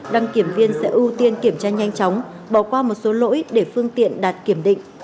đăng kiểm viên sẽ ưu tiên kiểm tra nhanh chóng bỏ qua một số lỗi để phương tiện đạt kiểm định